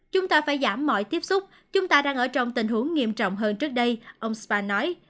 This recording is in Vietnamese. chúng ta phải giảm mọi tiếp xúc chúng ta đang ở trong tình huống nghiêm trọng hơn trước đây ông spa nói